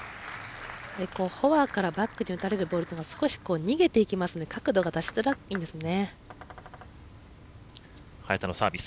フォアからバックに打たれるボールは少し逃げていきますので角度が出しづらいんですね。